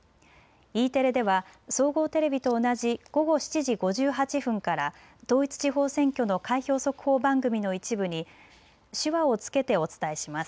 Ｅテレでは総合テレビと同じ午後７時５８分から統一地方選挙の開票速報番組の一部に手話をつけてお伝えします。